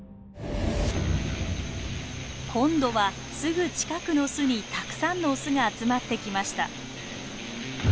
今度はすぐ近くの巣にたくさんのオスが集まってきました。